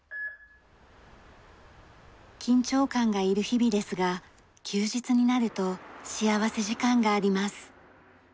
緊張感がいる日々ですが休日になると幸福時間があります。